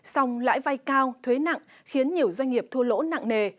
song lãi vay cao thuế nặng khiến nhiều doanh nghiệp thua lỗ nặng nề